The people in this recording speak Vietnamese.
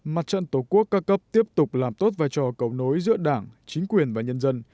mặt trận tổ quốc ca cấp tiếp tục làm tốt vai trò cầu nối giữa đảng chính quyền và nhân dân